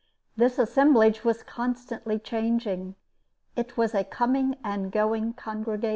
This assemblage was constantly changing. It was a coming and going congregation.